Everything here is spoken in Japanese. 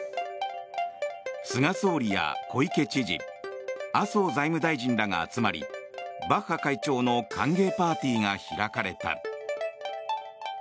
菅総理や小池知事麻生財務大臣らが集まりバッハ会長の歓迎パーティーが開かれた。